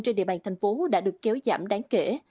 trên địa bàn thành phố đã được kéo giảm đáng kể